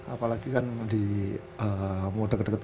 apalagi kan di mau deket deket